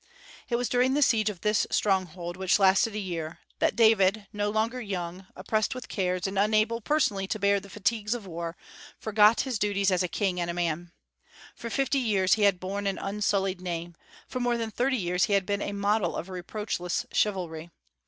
It was during the siege of this stronghold, which lasted a year, that David, no longer young, oppressed with cares, and unable personally to bear the fatigues of war, forgot his duties as a king and as a man. For fifty years he had borne an unsullied name; for more than thirty years he had been a model of reproachless chivalry.